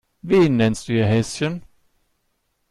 Wen nennst du hier Häschen?